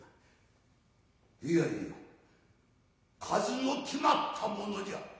いやいや数の決まったものじゃ。